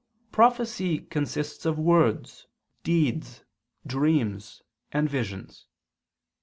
], prophecy consists of words, deeds, dreams, and visions.